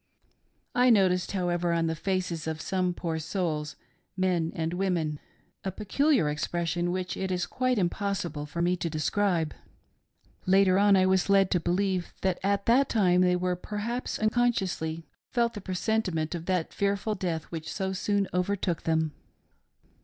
I noticed, however, on the faces of some poor souls — men and women — a peculiar expression which it is quite impossible for me to describe. Later on I was led to believe that at that time they, perhaps unconsciously, felt the presentiment of that fearful death which so soon overtook them.